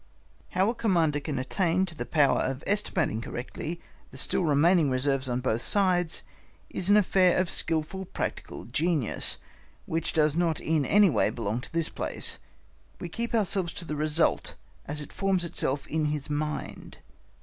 How a Commander can attain to the power of estimating correctly the still remaining reserves on both sides is an affair of skilful practical genius, which does not in any way belong to this place; we keep ourselves to the result as it forms itself in his mind.